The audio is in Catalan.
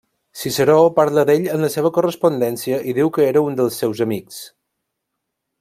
Ciceró parla d'ell en la seva correspondència i diu que era un dels seus amics.